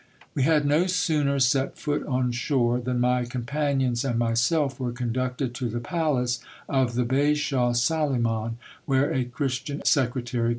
We had no sooner set foot on shore, than my companions and myself were conducted to the palace of the bashaw Soliman, where a Christian secretary, 1 84 GIL BLAS.